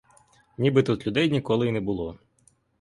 Ніби тут людей ніколи й не було.